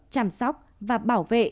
chăm sóc và bảo vệ